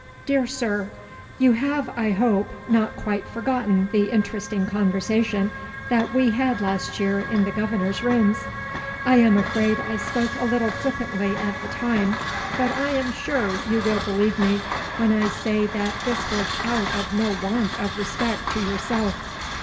"DEAR SIR You have, I hope, not quite forgotten the interesting conversation that we had last year in the Governor's rooms. I am afraid I spoke a little flippantly at the time; but I am sure you will believe me when I say that this was out of no want of respect to yourself.